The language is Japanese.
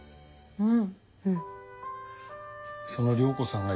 うん。